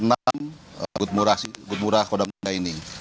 nomor enam gudmurah kodam jaya ini